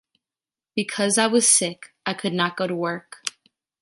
Because I was sick, I could not go to work.